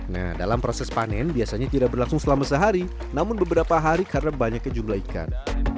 nah dalam proses panen biasanya tidak berlangsung selama sehari namun beberapa hari karena banyaknya jumlah ikan